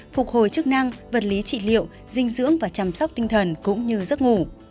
phục hồi chức năng vật lý trị liệu dinh dưỡng và chăm sóc tinh thần cũng như giấc ngủ